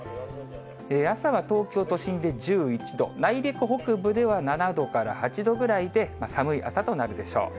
朝は東京都心で１１度、内陸北部では、７度から８度ぐらいで、寒い朝となるでしょう。